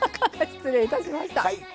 失礼いたしました。